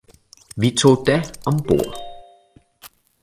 vi tog da om bord.